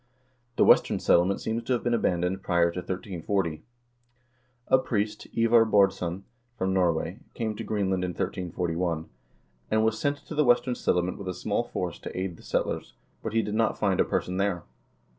The Western Settlement seems to have been abandoned prior to 1340. A priest, Ivar Baardsson, from Norway, came to Greenland in 1341, and was sent to the Western Settlement with a small force to aid the settlers, but he did not find a person there.